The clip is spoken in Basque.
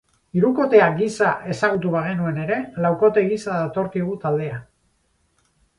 Hirukotea gisa ezagutu bagenuen ere, laukote gisa datorkigu taldea.